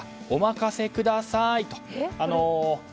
お任せくださいと。